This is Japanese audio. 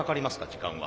時間は。